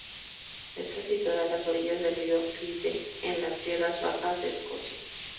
Está situada a las orillas del río Clyde en las Tierras Bajas de Escocia.